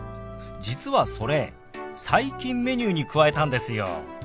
実はそれ最近メニューに加えたんですよ。